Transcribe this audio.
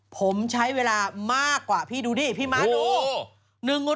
ผมใช้เวลามากกว่าพี่ดูดิพี่ม้าดู